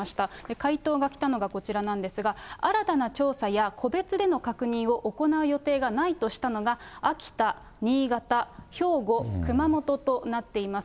回答がきたのがこちらなんですが、新たな調査や個別での確認を行う予定がないとしたのが、秋田、新潟、兵庫、熊本となっています。